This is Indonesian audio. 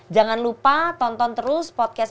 jangan lupa tonton terus podcast